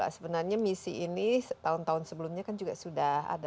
sebenarnya misi ini tahun tahun sebelumnya kan juga sudah ada